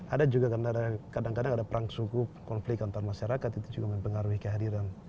ada juga karena ada kadang kadang ada perang suku konflik antar masyarakat itu juga mempengaruhi kehadiran